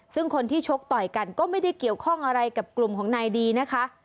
ซึ่งคนที่ชกต่อยกันก็ไม่ได้เกี่ยวข้องอะไรกับกลุ่มของนายดีนะคะ